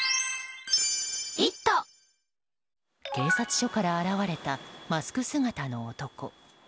警察署から現れたマスク姿の男。